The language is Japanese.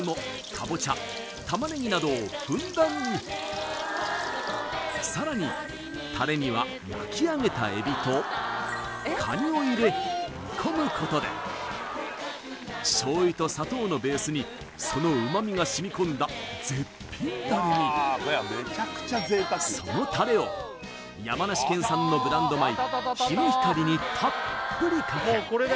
カボチャ玉ねぎなどをふんだんにさらにタレには焼き上げた海老とカニを入れ煮込むことで醤油と砂糖のベースにその旨みが染み込んだ絶品ダレにそのタレを山梨県産のブランド米ヒノヒカリにたっぷりかけ